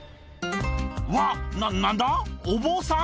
うわっ、なん、なんだ？